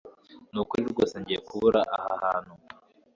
Nukuri rwose ngiye kubura aha hantu